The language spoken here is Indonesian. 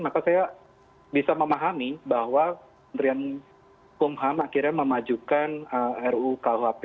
maka saya bisa memahami bahwa menterian pumham akhirnya memajukan ru khp